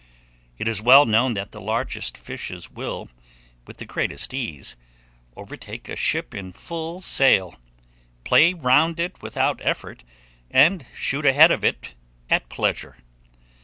It is well known that the largest fishes will, with the greatest ease, overtake a ship in full sail, play round it without effort, and shoot ahead of it at pleasure.